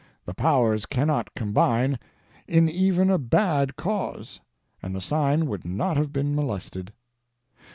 The Powers cannot combine, in even a bad cause, and the sign would not have been molested.